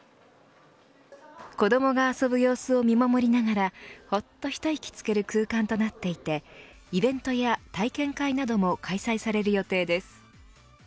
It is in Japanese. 子どもが遊ぶ様子を見守りながらほっと、ひと息つける空間となっていてイベントや体験会なども開催される予定です。